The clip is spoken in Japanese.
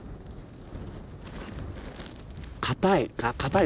硬い！